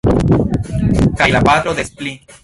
Kaj la patro des pli.